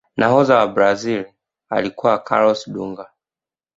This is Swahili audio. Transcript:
nahodha wa brazil alikuwa carlos dunga